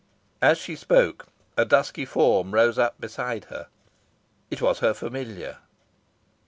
As she spoke a dusky form rose up beside her. It was her familiar.